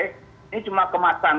ini cuma kemasan